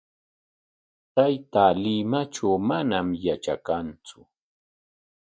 Taytaa Limatraw manam yatrakantsu.